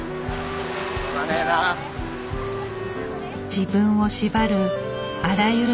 自分を縛るあらゆる